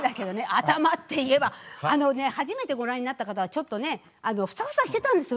頭っていえばあのね初めてご覧になった方はちょっとねフサフサしてたんですよ